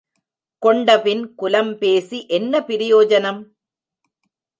கொண்டபின் குலம் பேசி என்ன பிரயோஜனம்?